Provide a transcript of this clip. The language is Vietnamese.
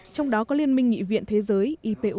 trong đó có liên minh nghị viện thế giới ipu